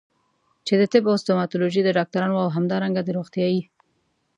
چې د طب او ستوماتولوژي د ډاکټرانو او همدارنګه د روغتيايي